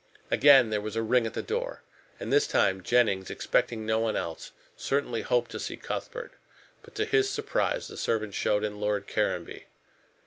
Again there was a ring at the door, and this time Jennings, expecting no one else, certainly hoped to see Cuthbert. But, to his surprise, the servant showed in Lord Caranby.